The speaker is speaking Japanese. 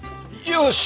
よし！